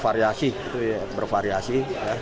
variasi itu ya bervariasi